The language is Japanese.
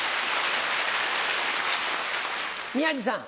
宮治さん。